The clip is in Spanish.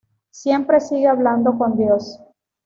Siempre sigue hablando con Dios.